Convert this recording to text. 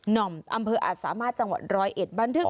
น่อมอำเภออัตสามารถจังหวัด๑๐๑บ้านทึก